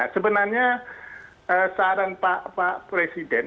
kebetulan dua hingga dua tahun died